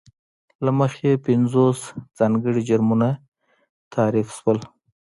له مخې یې پینځوس ځانګړي جرمونه تعریف شول.